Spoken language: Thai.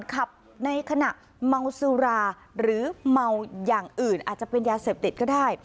ขับในขณะเมาสุราหรือเมาอย่างอื่นอาจจะเป็นยาเสพติดก็ได้